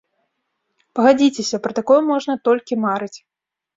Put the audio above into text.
Пагадзіцеся, пра такое можна толькі марыць.